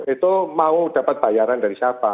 itu mau dapat bayaran dari siapa